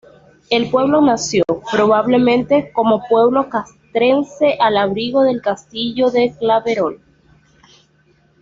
El pueblo nació, probablemente, como pueblo castrense al abrigo del castillo de Claverol.